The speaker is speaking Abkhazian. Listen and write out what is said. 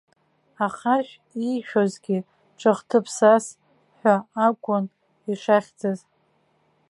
Ахаршә иишәозгьы ҿыхтыԥсас ҳәа акәын ишахьӡыз.